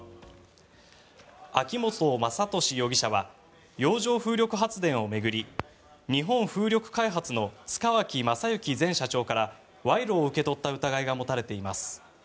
秋本真利容疑者は洋上風力発電を巡り日本風力開発の塚脇正幸前社長から賄賂を受け取った疑いが持たれています。